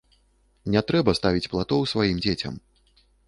Не трэба ставіць платоў сваім дзецям.